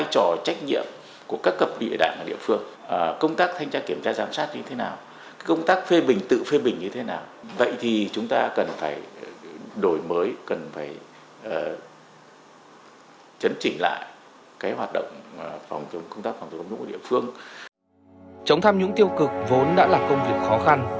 chống tham nhũng tiêu cực vốn đã là công việc khó khăn